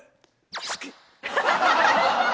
好き。